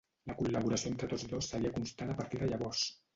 La col·laboració entre tots dos seria constant a partir de llavors.